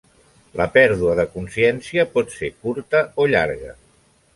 La pèrdua de consciència pot ser curta o llarga.